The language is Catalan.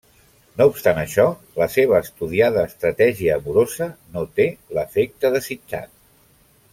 No obstant això, la seva estudiada estratègia amorosa no té l'efecte desitjat.